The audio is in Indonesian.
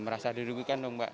merasa dirugikan dong mbak